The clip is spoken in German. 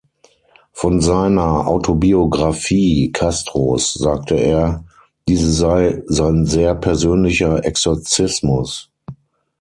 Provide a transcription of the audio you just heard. Von seiner „Autobiographie Castros“ sagte er, diese sei "sein sehr persönlicher Exorzismus".